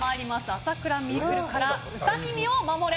朝倉未来からウサ耳を守れ！